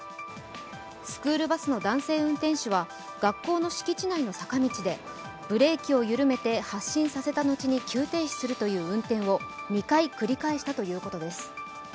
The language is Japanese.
スクールバスの男性運転手は学校の敷地内の坂道で、ブレーキを緩めて発進させた後に急停止するという運転を２回繰り返したということです。